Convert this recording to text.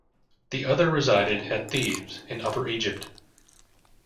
The other resided at Thebes in Upper Egypt.